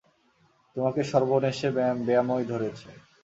তোমাকে সর্বনেশে ব্যামোয় ধরেছে।